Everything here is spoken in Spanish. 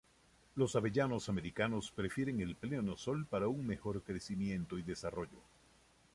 Los avellanos americanos prefieren el pleno sol para un mejor crecimiento y desarrollo.